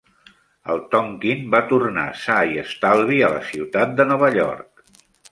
El "Tonquin" va tornar sa i estalvi a la ciutat de Nova York.